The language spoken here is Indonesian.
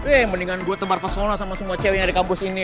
eh mendingan gue tebar pesona sama semua cewek yang ada di kampus ini